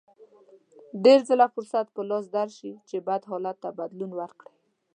ډېر ځله فرصت په لاس درشي چې بد حالت ته بدلون ورکړئ.